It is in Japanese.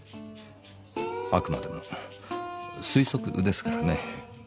あくまでも推測ですからね。